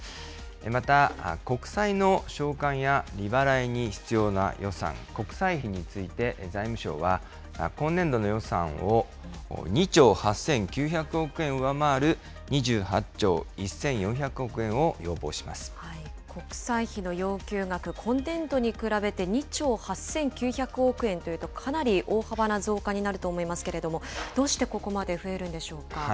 また国債の償還や利払いに必要な予算、国債費について財務省は、今年度の予算を２兆８９００億円上回る２８兆１４００億円を要望国債費の要求額、今年度に比べて、２兆８９００億円というと、かなり大幅な増加になると思いますけれども、どうしてここまで増えるんでしょうか。